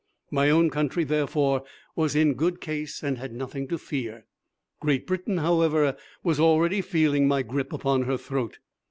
My own country, therefore, was in good case and had nothing to fear. Great Britain, however, was already feeling my grip upon her throat.